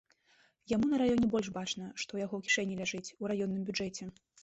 Яму на раёне больш бачна, што ў яго кішэні ляжыць, у раённым бюджэце.